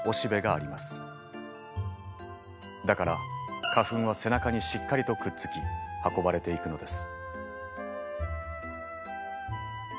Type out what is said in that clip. だから花粉は背中にしっかりとくっつき運ばれていくのです。